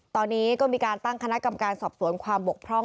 ตอนนี้ก็มีการตั้งคณะกรรมการสอบสวนความบกพร่อง